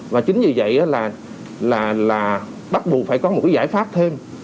và chính vì vậy là bắt buộc phải có một cái giải pháp thêm